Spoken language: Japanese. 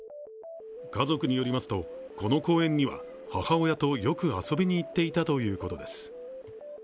家族によりますと、この公園には母親とよく遊びにいっていたということです。